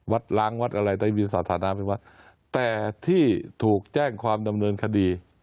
ล้างวัดอะไรแต่มีสถานะเป็นวัดแต่ที่ถูกแจ้งความดำเนินคดี